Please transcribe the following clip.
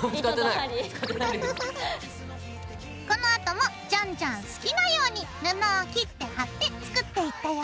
このあともじゃんじゃん好きなように布を切って貼って作っていったよ。